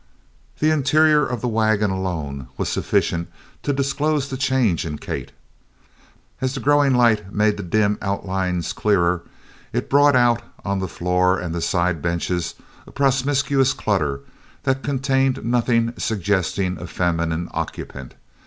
The interior of the wagon alone was sufficient to disclose the change in Kate. As the growing light made the dim outlines clearer it brought out on the floor and side benches a promiscuous clutter that contained nothing suggesting a feminine occupant.